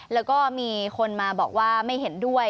แล้วก็มีคนมาบอกว่าไม่เห็นด้วย